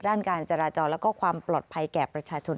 ด้านการจราจรแล้วก็ความปลอดภัยแก่ประชาชน